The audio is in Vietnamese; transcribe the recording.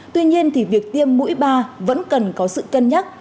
tuy nhiên thì việc tiêm mũi ba vẫn cần có sự cân nhắc